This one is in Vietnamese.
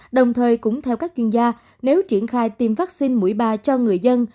đồng thời cũng theo các chuyên gia nếu triển khai tiêm vaccine mũi ba cho người dân